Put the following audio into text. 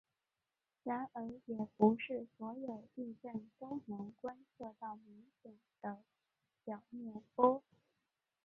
然而也不是所有地震都能观测到明显的表面波。